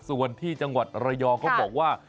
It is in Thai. ส่วนที่จังหวัดระยองเขาบอกว่า